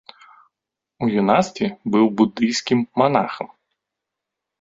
У юнацтве быў будыйскім манахам.